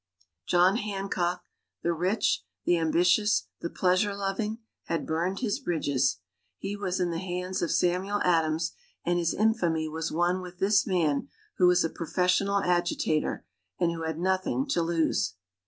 John Hancock, the rich, the ambitious, the pleasure loving, had burned his bridges. He was in the hands of Samuel Adams, and his infamy was one with this man who was a professional agitator, and who had nothing to lose.